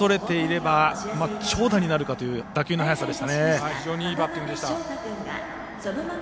はい、非常にいいバッティングでした。